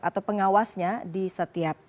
atau pengawasnya di setiap